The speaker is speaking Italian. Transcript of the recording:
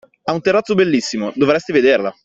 Ha un terrazzo bellissimo, dovresti vederla.